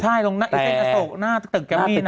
ใช่ตรงที่เกมมี่น่ะ